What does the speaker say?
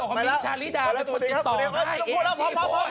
บอกว่ามีชาริดามีคนติดต่อไลน์ไอ้เองจี้บน